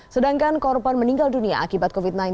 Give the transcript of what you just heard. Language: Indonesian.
sedangkan korban meninggal dunia akibat covid sembilan belas